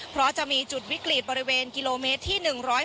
เพราะจะมีจุดวิกฤตบริเวณกิโลเมตรที่๑๔